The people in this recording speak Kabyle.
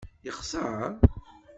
Yexser?